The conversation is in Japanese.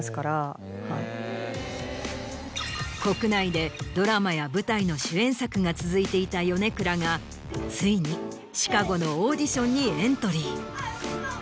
国内でドラマや舞台の主演作が続いていた米倉がついに『シカゴ』のオーディションにエントリー。